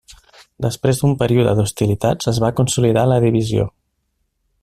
Després d'un període d'hostilitats, es va consolidar la divisió.